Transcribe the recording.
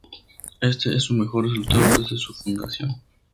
Este es su mejor resultado desde su fundación.